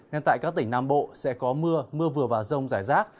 nên tại các tỉnh nam bộ sẽ có mưa mưa vừa và rông rải rác